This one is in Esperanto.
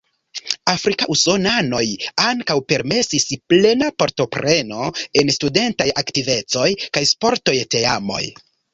Afrika usonanoj ankaŭ permesis plena partopreno en studentaj aktivecoj kaj sportoj teamoj.